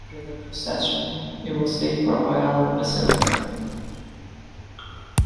After the procession, it will stay for a while in the Basilica.